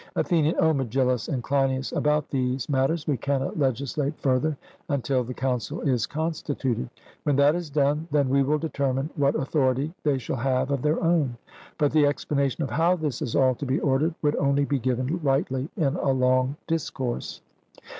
ATHENIAN: O Megillus and Cleinias, about these matters we cannot legislate further until the council is constituted; when that is done, then we will determine what authority they shall have of their own; but the explanation of how this is all to be ordered would only be given rightly in a long discourse.